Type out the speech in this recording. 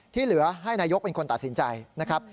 ที่เหลือให้นายกเป็นคนตัดสินใจนะครับ